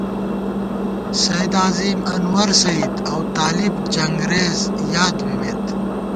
سید عظیم، انورسید اؤ طالِب جنگرېز یاد بِمېت